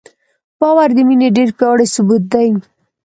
باور د مینې ډېر پیاوړی ثبوت دی.